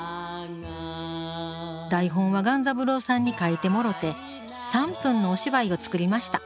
台本は雁三郎さんに書いてもろて３分のお芝居を作りました。